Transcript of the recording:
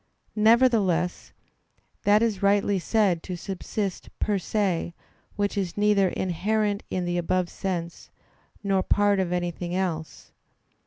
Nevertheless, that is rightly said to subsist per se, which is neither inherent in the above sense, nor part of anything else.